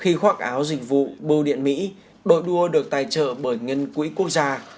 khi khoác áo dịch vụ bưu điện mỹ đội đua được tài trợ bởi ngân quỹ quốc gia